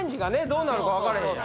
どうなるか分からへん。